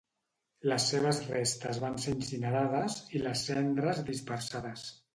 Les seves restes van ser incinerades, i les cendres dispersades.